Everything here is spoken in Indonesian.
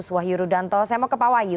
saya mau ke pak wahyu